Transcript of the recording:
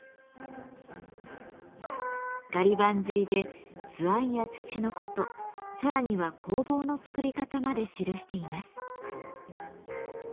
ガリ版刷りで図案や土のことさらには工房の作り方まで記しています。